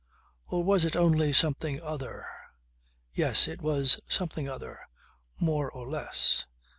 Or was it only something other? Yes. It was something other. More or less.